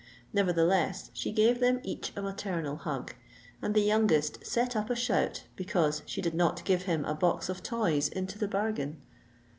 Nevertheless, she gave them each a maternal hug; and the youngest set up a shout because she did not give him a box of toys into the bargain.